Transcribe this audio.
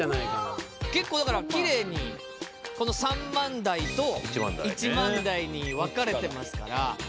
結構だからきれいにこの３万台と１万台に分かれてますから。